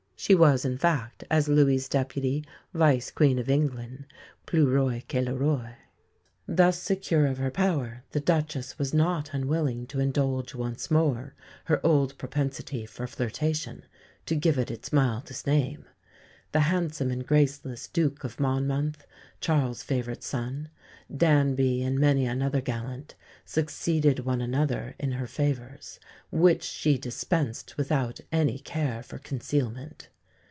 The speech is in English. She was, in fact, as Louis's deputy, Vice Queen of England plus roi que le Roi. Thus secure of her power the Duchess was not unwilling to indulge once more her old propensity for flirtation (to give it its mildest name). The handsome and graceless Duke of Monmonth, Charles's favourite son, Danby and many another gallant, succeeded one another in her favours, which she dispensed without any care for concealment.